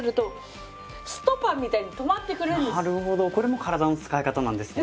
これも体の使い方なんですね。